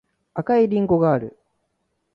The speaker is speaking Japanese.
赤いりんごがある